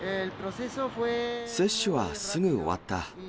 接種はすぐ終わった。